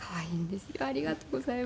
ありがとうございます。